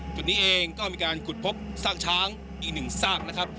จุดนี้เองก็มีการขุดพบซากช้างอีกหนึ่งซากนะครับ